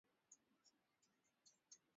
Wacha kunisumbua na maneno ovyo ovyo.